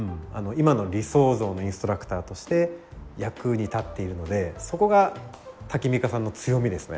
今の理想像のインストラクターとして役に立っているのでそこがタキミカさんの強みですね。